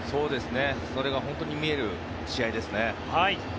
それが本当に見える試合ですね。